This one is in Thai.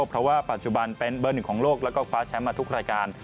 เพราะว่าปัจจุบันเป็นเบอร์หนึ่งของโลกแล้วก็คว้าแชมป์มาทุกรายการ